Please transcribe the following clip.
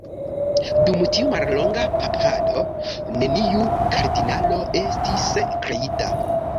Dum tiu mallonga papado neniu kardinalo estis kreita.